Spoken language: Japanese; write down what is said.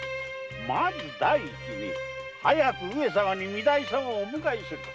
まず第一に“早く上様に御台様をお迎えすること”